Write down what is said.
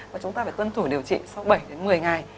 và chúng ta phải tuân thủ điều trị sau bảy đến một mươi ngày